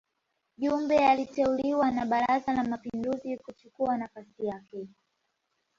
Jumbe aliteuliwa na Baraza la Mapinduzi kuchukua nafasi yake